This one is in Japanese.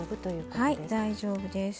はい大丈夫です。